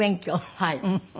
はい。